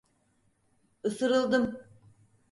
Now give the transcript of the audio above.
Isırıldım.